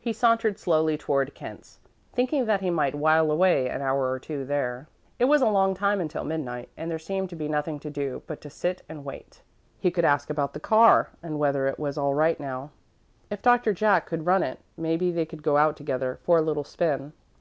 He sauntered slowly toward Kent's, thinking that he might while away an hour or two there. It was a long time until midnight, and there seemed to be nothing to do but to sit and wait. He could ask about the car and whether it was all right now. If Doctor Jack could run it, maybe they could go out together for a little spin.